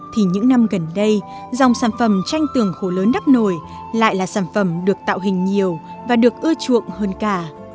thì những năm gần đây dòng sản phẩm tranh tường khổ lớn đắp nổi lại là sản phẩm được tạo hình nhiều và được ưa chuộng hơn cả